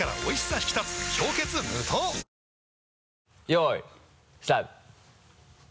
よいスタート。